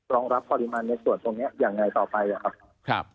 รองรับปริมาณในส่วนตรงนี้ยังไงต่อไปนะครับ